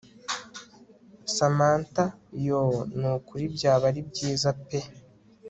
Samantha yoooo nukuri byaba ari byiza pee